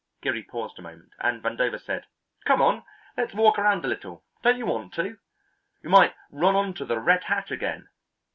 Geary paused a moment, and Vandover said: "Come on, let's walk around a little; don't you want to? We might run on to the red hat again."